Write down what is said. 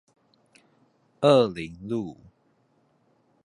二苓路